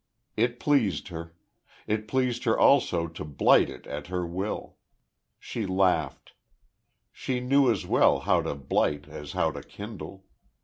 It pleased her.... It pleased her also to blight it at her will. She laughed. She knew as well how to blight as how to kindle.